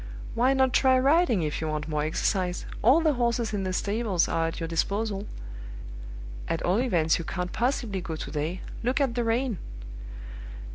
Why not try riding, if you want more exercise; all the horses in the stables are at your disposal. At all events, you can't possibly go to day. Look at the rain!"